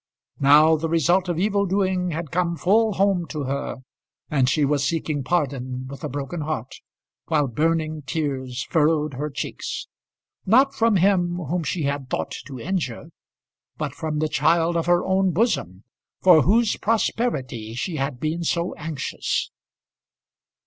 Now the result of evil doing had come full home to her, and she was seeking pardon with a broken heart, while burning tears furrowed her cheeks, not from him whom she had thought to injure, but from the child of her own bosom, for whose prosperity she had been so anxious.